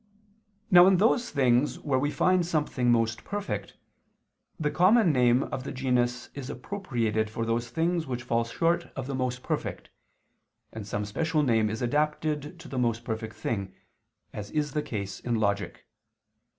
Now in those things where we find something most perfect, the common name of the genus is appropriated for those things which fall short of the most perfect, and some special name is adapted to the most perfect thing, as is the case in Logic.